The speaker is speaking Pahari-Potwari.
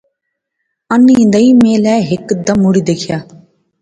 انیں دائیں میں لے ہیک دم مڑی دیکھیا